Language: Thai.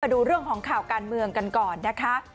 ดูเรื่องของข่าวการเมืองกันก่อนนะคะ